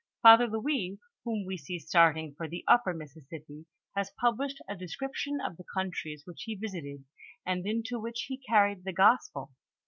Father Louis, whom we see starting for the upper Missisipi has published a description of the countries which he visited and into which he carried the gospel.